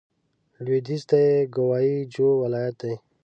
لوېدیځ ته یې ګوای جو ولايت دی.